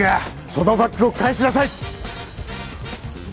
そのバッグを返しなさい！